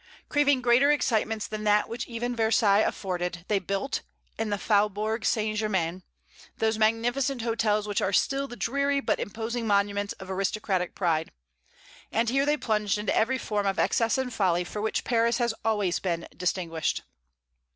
Craving greater excitements than that which even Versailles afforded, they built, in the Faubourg St. Germain, those magnificent hotels which are still the dreary but imposing monuments of aristocratic pride; and here they plunged into every form of excess and folly for which Paris has always been distinguished.